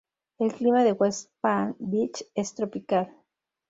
El clima en West Palm Beach es tropical.